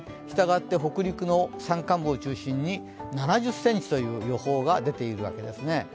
したがって北陸の山間部を中心に７０ｃｍという予報が出ているわけですね。